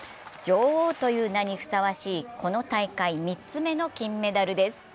女王という名にふさわしい、この大会３つ目の金メダルです。